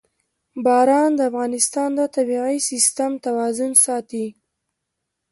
باران د افغانستان د طبعي سیسټم توازن ساتي.